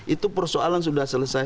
itu persoalan sudah selesai